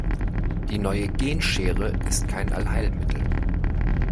Die neue Genschere ist kein Allheilmittel.